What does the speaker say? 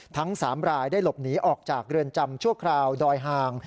ทั้ง๓รายได้หลบหนีออกจากเรือนจำชั่วคราวดอยหาง